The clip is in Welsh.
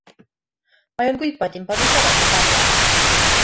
Mae o'n gwybod ein bod ni'n siarad amdano fo.